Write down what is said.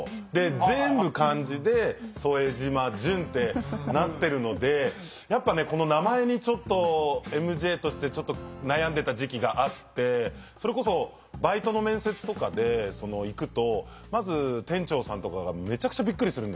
全部漢字で「副島淳」ってなってるのでやっぱねこの名前にちょっとＭＪとしてちょっと悩んでた時期があってそれこそバイトの面接とかで行くとまず店長さんとかがめちゃくちゃびっくりするんですよね。